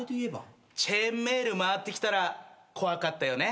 チェーンメール回ってきたら怖かったよね。